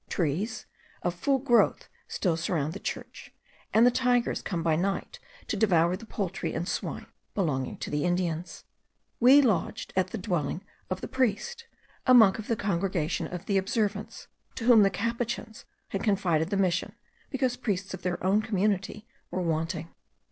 Trees of full growth still surround the church, and the tigers come by night to devour the poultry and swine belonging to the Indians. We lodged at the dwelling of the priest, a monk of the congregation of the Observance, to whom the Capuchins had confided the Mission, because priests of their own community were wanting.